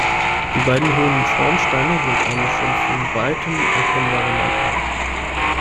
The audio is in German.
Die beiden hohen Schornsteine sind eine schon von weitem erkennbare Landmarke.